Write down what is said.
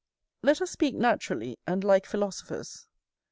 Let us speak naturally, and like philosophers.